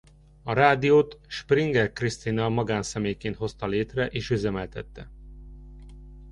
A rádiót Springer Krisztina magánszemélyként hozta létre és üzemeltette.